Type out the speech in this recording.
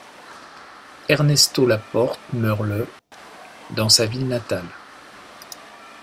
Ernesto Laporte meurt le dans sa ville natale.